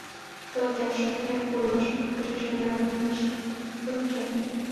তবে তাঁর চার সপ্তাহের পুনর্বাসন প্রক্রিয়া শেষ হবে আগামী মাসের প্রথম সপ্তাহে।